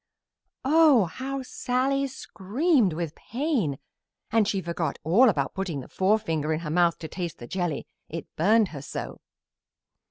Oh, how Sallie screamed with pain! And she forgot all about putting the forefinger in her mouth to taste the jelly, it burned her so.